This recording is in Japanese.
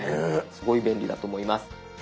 すごい便利だと思います。